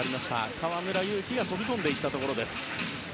河村勇輝が飛び込んでいったところです。